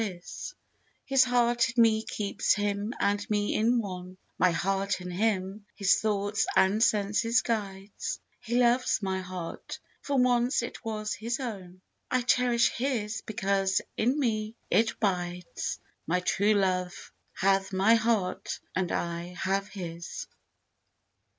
His heart in me keeps him and me in one, My heart in him his thoughts and senses guides: He loves my heart, for once it was his own, I cherish his because in me it bides: My true love hath my heart, and I have his.